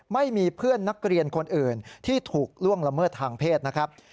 ไม่มีเพื่อนนักเรียนคนอื่นที่ถูกล่วงละเมิดทางเพศนะครับ